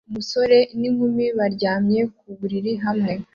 umusore n'inkumi baryamye ku buriri hamwe